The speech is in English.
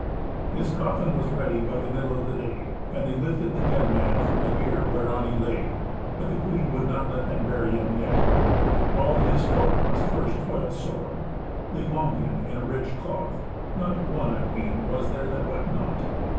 His coffin was ready by the middle of the day, and they lifted the dead man from the bier whereon he lay, but the queen would not let them bury him yet. All his folk must first toil sore. They wound him in a rich cloth. Not one, I ween, was there that wept not.